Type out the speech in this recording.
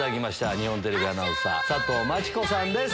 日本テレビアナウンサー佐藤真知子さんです。